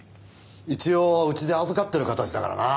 一応うちで預かってる形だからな。